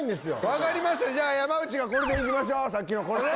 分かりました山内がこれでいきましょうさっきのこれで！